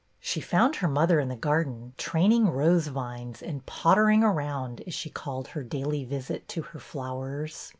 She found her mother in the garden, training rose vines and pottering around," as she called her daily visit to her flowers.